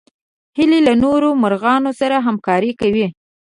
هیلۍ له نورو مرغانو سره همکاري کوي